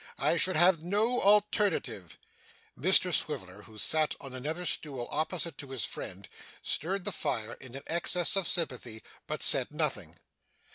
I should have no alternative.' Mr Swiveller, who sat on another stool opposite to his friend, stirred the fire in an excess of sympathy, but said nothing.